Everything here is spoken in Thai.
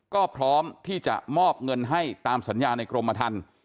ก็พร้อมที่จะมอบเงินให้ตามสัญญาในกรมทัน